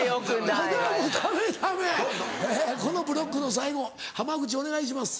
このブロックの最後濱口お願いします。